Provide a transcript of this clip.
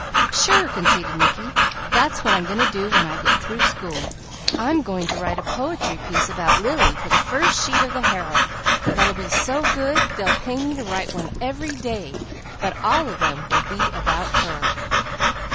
"Sure!" conceded Mickey. "That's what I'm going to be when I get through school. I'm going to write a poetry piece about Lily for the first sheet of the Herald that'll be so good they'll pay me to write one every day, but all of them will be about her."